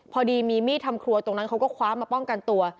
พอดีมีมีดทำครัวตรงนั้นเขาก็คว้ามาป้องกันตัว